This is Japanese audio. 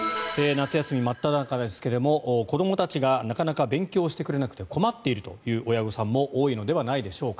夏休み真っただ中ですが子どもたちがなかなか勉強してくれなくて困っているという親御さんも多いのではないでしょうか。